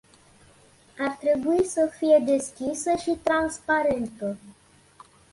Ar trebui să fie deschisă și transparentă.